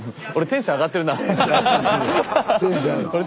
テンション上がってるわ。